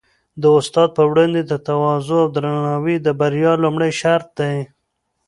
د استاد په وړاندې تواضع او درناوی د بریا لومړی شرط دی.